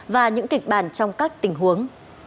và những kịch bản trong các tình huống